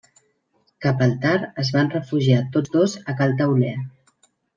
Cap al tard es van refugiar tots dos a cal Tauler.